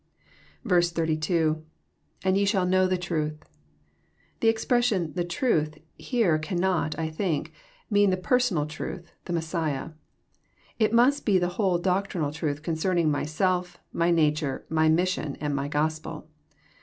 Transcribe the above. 83. — [^And ye shall know the truth.'] The expression, '* the trnth. here cannot, I think, mean the Personal Trntli, the Messiah. It mnst be the whole doctrinal tmth concerning Myself, My nature. My mission, and My Gospel.